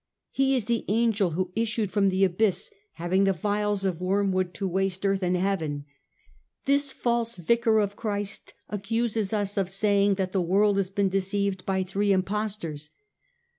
He is the angel who issued from the abyss having the vials 170 STUPOR MUNDI of wormwood to waste earth and heaven. This false Vicar of Christ accuses us of saying that the world has been deceived by three Impostors.